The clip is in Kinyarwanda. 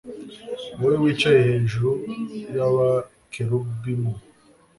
wowe wicaye hejuru y'abakerubimu